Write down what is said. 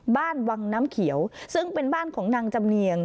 บ้านวังน้ำเขียวซึ่งเป็นบ้านของนางจำเนียง